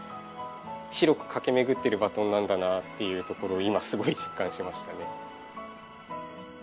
広く駆け巡ってるバトンなんだなっていうところを今すごい実感しましたね。